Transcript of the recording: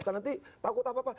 karena nanti takut apa apa